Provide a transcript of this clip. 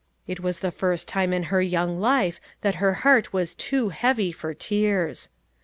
It was the first time in her young life that her heart was too heavy for tears.